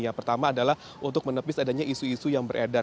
yang pertama adalah untuk menepis adanya isu isu yang beredar